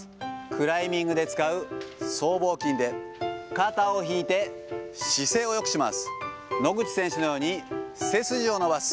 クライミングで使う僧帽筋で、肩を引いて、姿勢をよくします。